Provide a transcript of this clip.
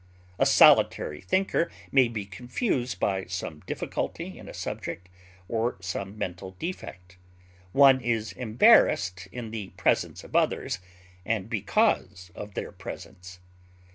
A solitary thinker may be confused by some difficulty in a subject, or some mental defect; one is embarrassed in the presence of others, and because of their presence.